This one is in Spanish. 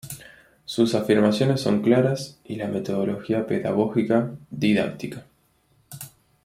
Sus afirmaciones son claras y la metodología pedagógica, didáctica.